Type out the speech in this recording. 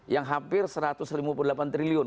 yang hampir rp satu ratus lima puluh delapan triliun